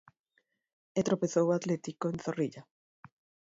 E tropezou o Atlético en Zorrilla.